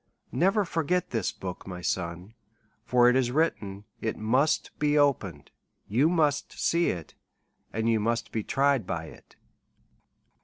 Never forget this book, my son ; for it is written, it must be opened, you must see it, and you must be tried by it.